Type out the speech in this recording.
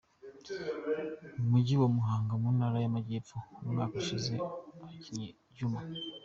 mujyi wa Muhanga mu ntara yAmajyepfo, umwaka ushize abakinnyi Djuma.